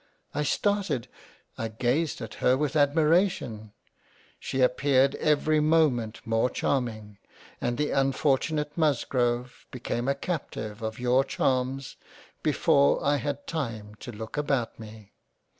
I started — I gazed at her with admiration — She appeared every moment more Charming, and the un fortunate Musgrove became a captive to your Charms before I had time to look about me.